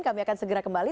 kami akan segera kembali